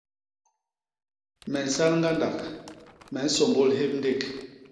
Me nsal ñgandak, me nsômbôl hép ndék.